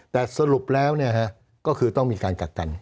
แต่สรุปแล้วก็คือต้องมีการกักกัน